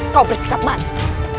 kau bersikap manis